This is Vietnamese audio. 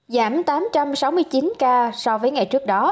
giảm tám trăm sáu mươi chín ca so với ngày trước đó